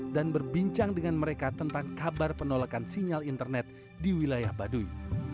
dan berbincang dengan mereka tentang kabar penolakan sinyal internet di wilayah baduy